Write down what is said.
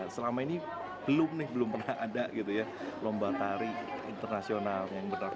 selama ini belum pernah ada lomba tari internasional